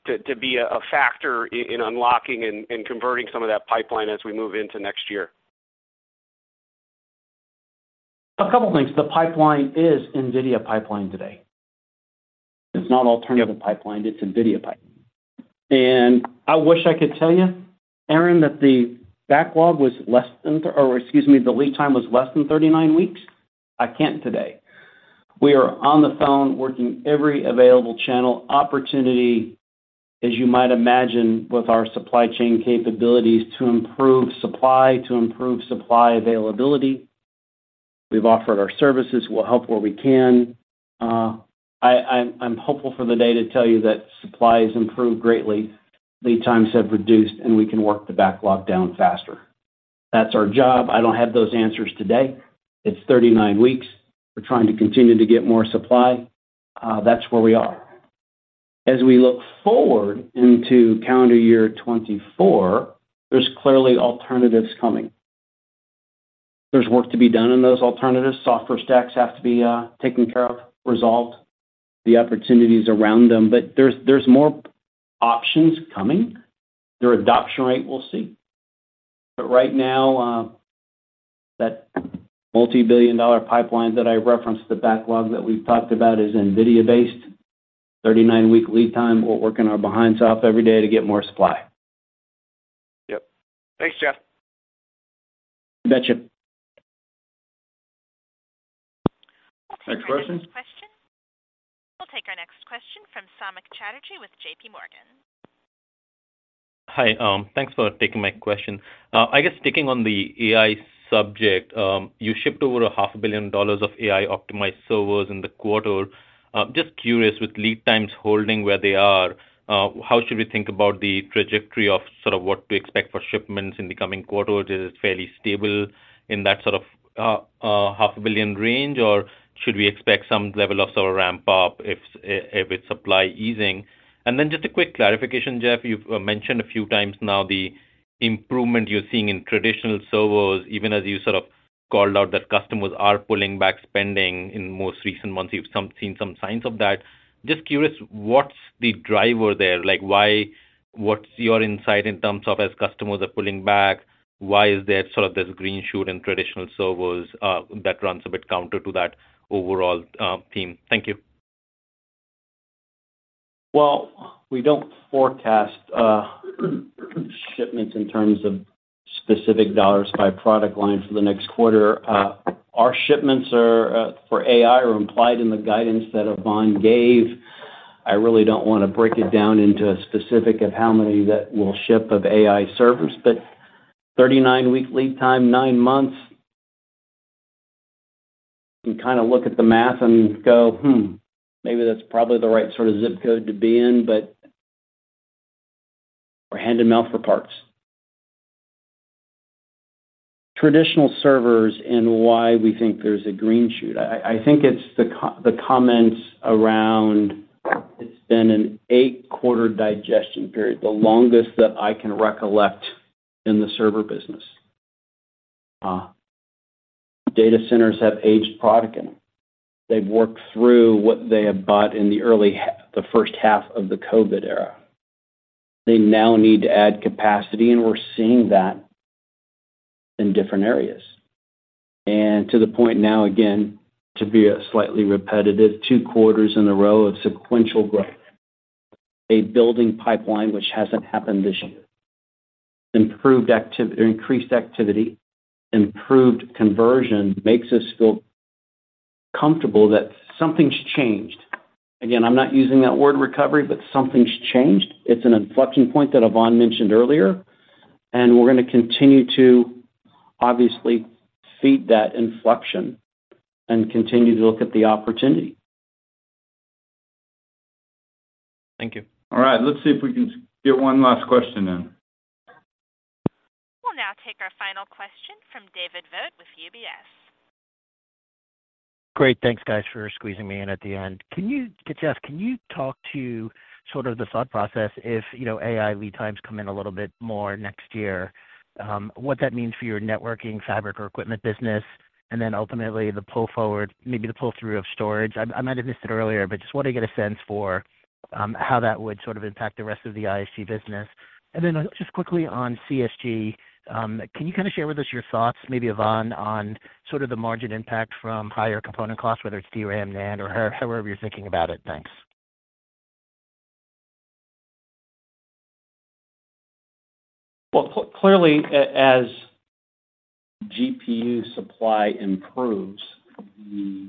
[SPEAKER 16] to be a factor in unlocking and converting some of that pipeline as we move into next year?
[SPEAKER 3] A couple things. The pipeline is NVIDIA pipeline today. It's not alternative pipeline-
[SPEAKER 16] Yep.
[SPEAKER 3] It's NVIDIA pipeline. I wish I could tell you, Aaron, that the backlog was less than... or excuse me, the lead time was less than 39 weeks. I can't today. We are on the phone working every available channel opportunity, as you might imagine, with our supply chain capabilities, to improve supply, to improve supply availability. We've offered our services. We'll help where we can. I'm hopeful for the day to tell you that supply has improved greatly, lead times have reduced, and we can work the backlog down faster. That's our job. I don't have those answers today. It's 39 weeks. We're trying to continue to get more supply. That's where we are. As we look forward into calendar year 2024, there's clearly alternatives coming. There's work to be done on those alternatives. Software stacks have to be taken care of, resolved, the opportunities around them. But there's, there's more options coming. Their adoption rate, we'll see. But right now, that multibillion-dollar pipeline that I referenced, the backlog that we've talked about, is NVIDIA-based, 39-week lead time. We're working our behinds off every day to get more supply.
[SPEAKER 16] Yep. Thanks, Jeff.
[SPEAKER 3] You betcha.
[SPEAKER 2] Next question?
[SPEAKER 1] Question. We'll take our next question from Samik Chatterjee with JPMorgan.
[SPEAKER 17] Hi, thanks for taking my question. I guess sticking on the AI subject, you shipped over $500 million of AI-optimized servers in the quarter. Just curious, with lead times holding where they are, how should we think about the trajectory of sort of what to expect for shipments in the coming quarters? Is it fairly stable in that sort of $500 million range, or should we expect some level of sort of ramp up if it's supply easing? And then just a quick clarification, Jeff. You've mentioned a few times now the improvement you're seeing in traditional servers, even as you sort of called out that customers are pulling back spending in most recent months, you've seen some signs of that. Just curious, what's the driver there? Like, why—what's your insight in terms of as customers are pulling back, why is there sort of this green shoot in traditional servers that runs a bit counter to that overall theme? Thank you.
[SPEAKER 3] Well, we don't forecast shipments in terms of specific dollars by product line for the next quarter. Our shipments for AI are implied in the guidance that Yvonne gave. I really don't want to break it down into a specific of how many that will ship of AI servers, but 39-week lead time, nine months. You can kind of look at the math and go: Hmm, maybe that's probably the right sort of zip code to be in, but we're hand-to-mouth for parts. Traditional servers and why we think there's a green shoot. I think it's the comments around; it's been an eight-quarter digestion period, the longest that I can recollect in the server business. Data centers have aged products in them. They've worked through what they have bought in the early, the first half of the COVID era. They now need to add capacity, and we're seeing that in different areas. And to the point now, again, to be slightly repetitive, two quarters in a row of sequential growth, a building pipeline, which hasn't happened this year. Improved activity, increased activity, improved conversion, makes us feel comfortable that something's changed. Again, I'm not using that word recovery, but something's changed. It's an inflection point that Yvonne mentioned earlier, and we're going to continue to obviously feed that inflection and continue to look at the opportunity.
[SPEAKER 17] Thank you.
[SPEAKER 2] All right, let's see if we can get one last question in.
[SPEAKER 1] We'll now take our final question from David Vogt with UBS.
[SPEAKER 18] Great. Thanks, guys, for squeezing me in at the end. Can you, Jeff, can you talk to sort of the thought process if, you know, AI lead times come in a little bit more next year, what that means for your networking fabric or equipment business, and then ultimately the pull forward, maybe the pull-through of storage? I might have missed it earlier, but just want to get a sense for, how that would sort of impact the rest of the ISG business. And then just quickly on CSG, can you kind of share with us your thoughts, maybe, Yvonne, on sort of the margin impact from higher component costs, whether it's DRAM, NAND, or however you're thinking about it? Thanks.
[SPEAKER 3] Well, clearly, as GPU supply improves, the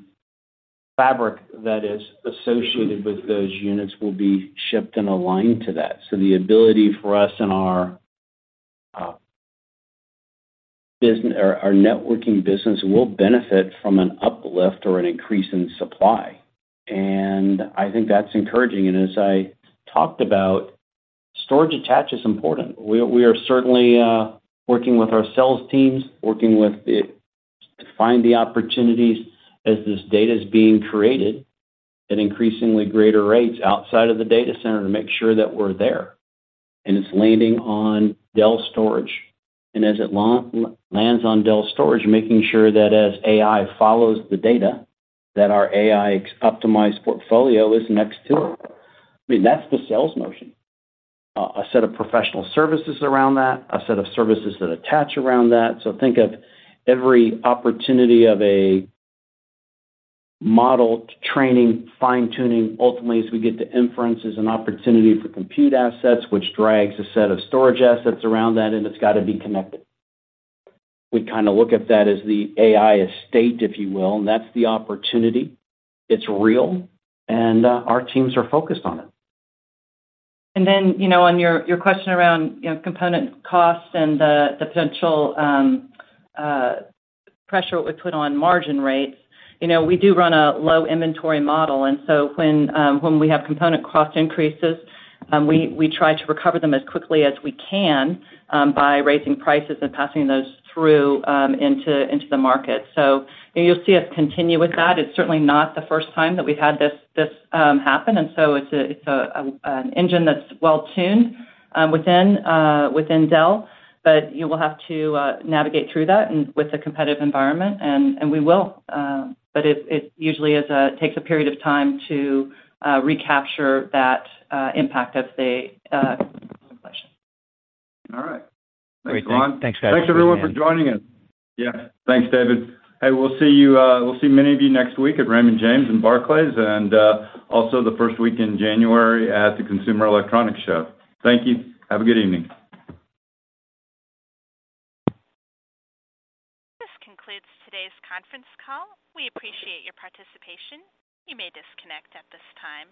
[SPEAKER 3] fabric that is associated with those units will be shipped and aligned to that. So the ability for us in our business or our networking business will benefit from an uplift or an increase in supply, and I think that's encouraging. And as I talked about, storage attach is important. We are certainly working with our sales teams, working with it to find the opportunities as this data is being created at increasingly greater rates outside of the data center to make sure that we're there, and it's landing on Dell Storage. And as it lands on Dell Storage, making sure that as AI follows the data, that our AI-optimized portfolio is next to it. I mean, that's the sales motion. A set of professional services around that, a set of services that attach around that. So think of every opportunity of a model training, fine-tuning, ultimately, as we get to inference, is an opportunity for compute assets, which drags a set of storage assets around that, and it's got to be connected. We kind of look at that as the AI estate, if you will, and that's the opportunity. It's real, and our teams are focused on it.
[SPEAKER 4] Then, you know, on your question around component costs and the potential pressure it would put on margin rates. You know, we do run a low inventory model, and so when we have component cost increases, we try to recover them as quickly as we can by raising prices and passing those through into the market. So you'll see us continue with that. It's certainly not the first time that we've had this happen, and so it's an engine that's well-tuned within Dell, but you will have to navigate through that and with the competitive environment, and we will. But it usually takes a period of time to recapture that impact of the inflation.
[SPEAKER 2] All right.
[SPEAKER 18] Great. Thanks, guys.
[SPEAKER 2] Thanks, everyone, for joining us. Yeah. Thanks, David. Hey, we'll see many of you next week at Raymond James and Barclays, and also the first week in January at the Consumer Electronics Show. Thank you. Have a good evening.
[SPEAKER 1] This concludes today's conference call. We appreciate your participation. You may disconnect at this time.